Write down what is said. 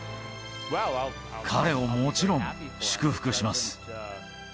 彼をもちろん祝福します。